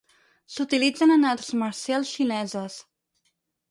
S'utilitzen en arts marcials xineses.